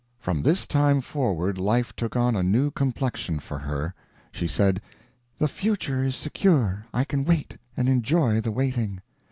From this time forward life took on a new complexion for her. She said, "The future is secure I can wait, and enjoy the waiting."